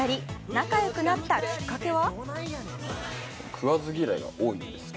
仲よくなったきっかけは？